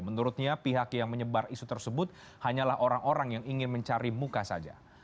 menurutnya pihak yang menyebar isu tersebut hanyalah orang orang yang ingin mencari muka saja